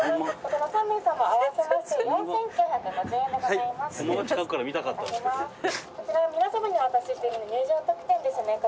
こちら皆さまにお渡ししている入場特典ですね。